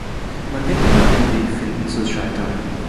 Man wird immer einen Weg finden zu scheitern.